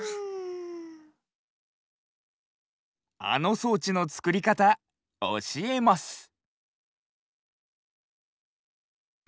あのそうちのつくりかたおしえます。